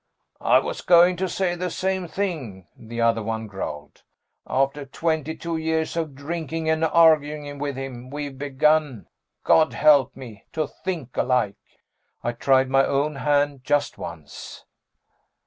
"I was going to say the same thing," the other one growled. "After twenty two years of drinking and arguing with him, we've begun God help me! to think alike." I tried my own hand just once.